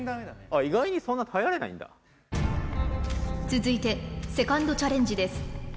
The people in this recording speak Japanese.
意外にそんな耐えられないんだ続いてセカンドチャレンジです